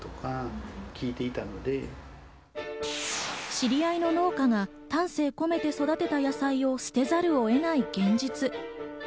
知り合いの農家が丹精込めて育てた野菜を捨てざるを得ない現実。